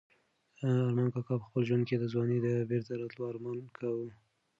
ارمان کاکا په خپل زړه کې د ځوانۍ د بېرته راتلو ارمان کاوه.